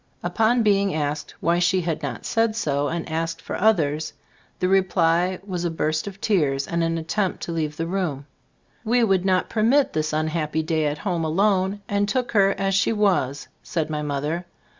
Upon being asked why she had not said so and asked for others, the reply was a burst of tears and an attempt to leave the room. "We would not per mit this unhappy day at home alone, and took her as she was," said my mother.